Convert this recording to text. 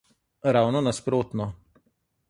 Ravno nasprotno.